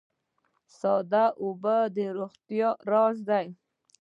ساده اوبه د روغتیا راز دي